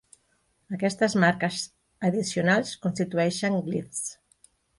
Aquestes marques addicionals constitueixen glifs.